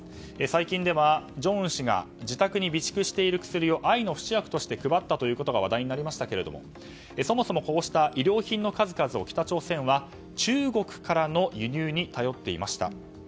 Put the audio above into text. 最近では、正恩氏が自宅に備蓄している薬を愛の不死薬として配ったということが話題になりましたがそもそも医療品の数々を北朝鮮は中国からの輸入に頼っていました。